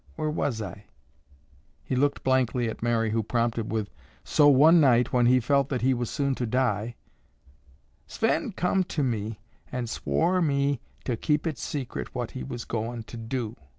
Whar was I?" He looked blankly at Mary who prompted with, "So one night when he felt that he was soon to die—" "Sven come to me an' swore me to keep it secret what he was goin' to do.